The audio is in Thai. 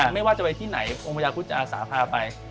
ไม่ว่าจะไปที่ไหนองค์พญาคุธจะอาสาพาไป